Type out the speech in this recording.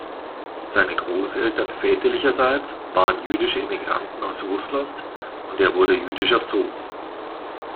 Seine Großeltern väterlicherseits waren jüdische Emigranten aus Russland, und er wurde jüdisch erzogen.